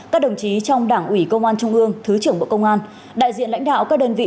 các đồng chí trong đảng ủy công an trung ương thứ trưởng bộ công an đại diện lãnh đạo các đơn vị